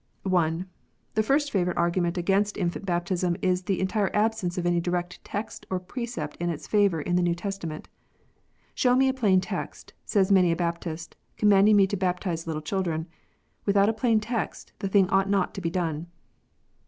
(1) The first favourite argument against infant baptism is the entire absence of any direct text or precept in its favour in the New Testament. " Show me a plain text," says many a Baptist, " commanding me to baptize little children. Without a plain text the thing ought not to be done."